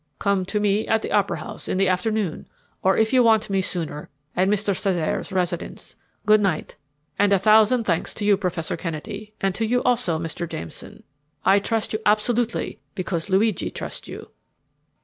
"Come to me at the opera house in the afternoon, or if you want me sooner at Mr. Cesare's residence. Good night, and a thousand thanks to you, Professor Kennedy, and to you, also, Mr. Jameson. I trust you absolutely because Luigi trusts you."